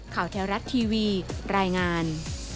ข่าวแท้รัฐทีวีรายงาน